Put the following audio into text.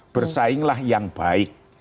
bersainglah yang baik